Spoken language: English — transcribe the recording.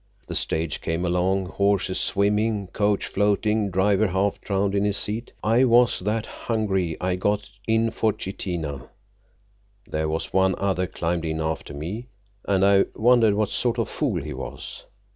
The stage came along, horses swimming, coach floating, driver half drowned in his seat. I was that hungry I got in for Chitina. There was one other climbed in after me, and I wondered what sort of fool he was.